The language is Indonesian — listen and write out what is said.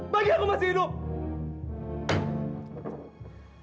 bagian aku masih hidup